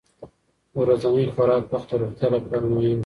د ورځني خوراک وخت د روغتیا لپاره مهم دی.